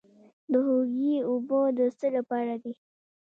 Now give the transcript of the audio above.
د هوږې اوبه د څه لپاره دي؟